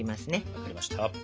わかりました。